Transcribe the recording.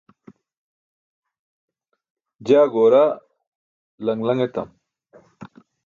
jaa goora laṅ laṅ etam